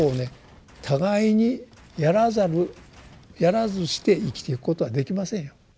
互いにやらざるやらずして生きていくことはできませんよ。